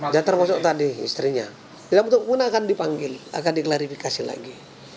dan termasuk tadi istrinya tidak butuh pun akan dipanggil akan diklarifikasi lagi